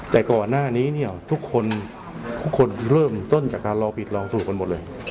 แต่ก่อนหน้านี้เนี่ยทุกคนทุกคนเริ่มต้นจากการลองผิดลองถูกกันหมดเลย